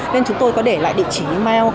nên chúng tôi có để lại địa chỉ email